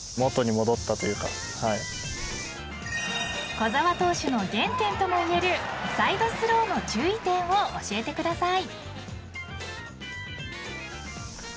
［小澤投手の原点ともいえるサイドスローの注意点を教えてください］